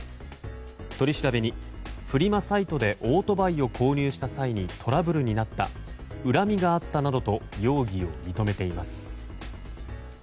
取り調べに、フリマサイトでオートバイを購入した際にトラブルになった恨みがあったなどと容疑を認めています。